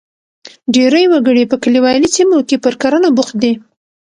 ډېری وګړي په کلیوالي سیمو کې پر کرنه بوخت دي.